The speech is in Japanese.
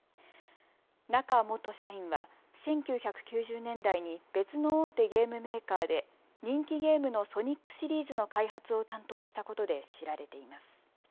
中元社員は１９９０年代に別の大手ゲームメーカーで人気ゲームのソニックシリーズの開発を担当したことで知られています。